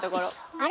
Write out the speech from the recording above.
あれ？